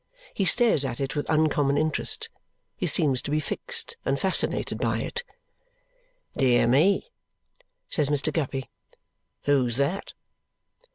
He stares at it with uncommon interest; he seems to be fixed and fascinated by it. "Dear me!" says Mr. Guppy. "Who's that?"